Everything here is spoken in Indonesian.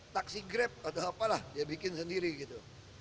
taksi grab atau apalah dia bikin sendiri gitu